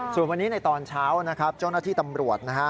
ส่วนวันนี้ในตอนเช้าเจ้านักที่ตำรวจ